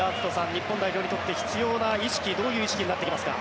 日本代表にとって必要な意識どういう意識になってきますか。